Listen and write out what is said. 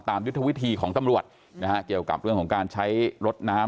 ยุทธวิธีของตำรวจนะฮะเกี่ยวกับเรื่องของการใช้รถน้ำ